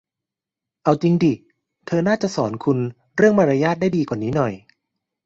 เอาจริงดิ เธอน่าจะสอนคุณเรื่องมารยาทได้ดีกว่านี้หน่อย